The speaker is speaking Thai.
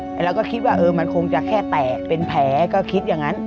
แต่เราก็คิดว่าเออมันคงจะแค่แตกเป็นแผลก็คิดอย่างนั้น